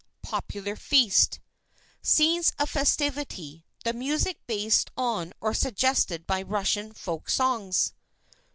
POPULAR FEAST (Scenes of festivity, the music based on or suggested by Russian folk songs.)